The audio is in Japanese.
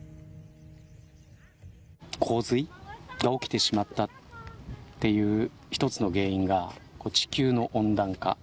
洪水が起きてしまったっていう一つの原因が地球の温暖化。